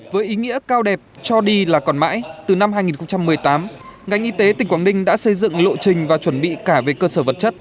với ý nghĩa cao đẹp cho đi là còn mãi từ năm hai nghìn một mươi tám ngành y tế tỉnh quảng ninh đã xây dựng lộ trình và chuẩn bị cả về cơ sở vật chất